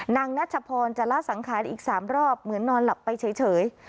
นัชพรจะละสังขารอีก๓รอบเหมือนนอนหลับไปเฉย